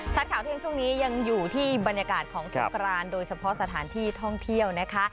ข่าวเที่ยงช่วงนี้ยังอยู่ที่บรรยากาศของสงกรานโดยเฉพาะสถานที่ท่องเที่ยวนะคะ